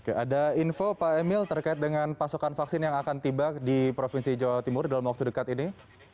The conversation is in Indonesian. oke ada info pak emil terkait dengan pasokan vaksin yang akan tiba di provinsi jawa timur dalam waktu dekat ini